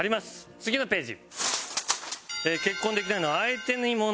次のページ。